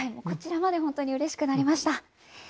こちらまで本当にうれしくなりました。